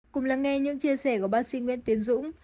cùng lắng nghe những chia sẻ của bác sĩ nguyễn tiến dũng